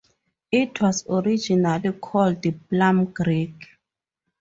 It was originally called Plum Creek.